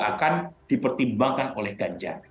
akan dipertimbangkan oleh ganja